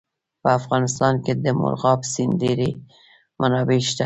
په افغانستان کې د مورغاب سیند ډېرې منابع شته.